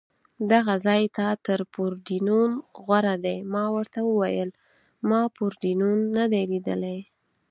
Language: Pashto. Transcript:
دغه ځای تر پورډېنون غوره دی، ما ورته وویل: ما پورډېنون نه دی لیدلی.